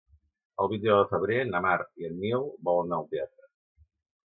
El vint-i-nou de febrer na Mar i en Nil volen anar al teatre.